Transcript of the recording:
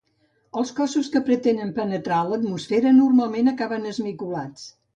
Els cossos que pretenen penetrar en l'atmosfera normalment acaben esmicolats.